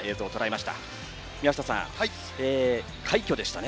宮下さん、快挙でしたね